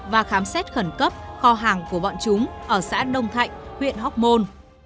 và khám xét khẩn cấp kho hàng của bọn chúng ở xã đông thạnh huyện hóc môn